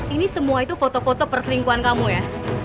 ini semua itu foto foto perselingkuhan kamu ya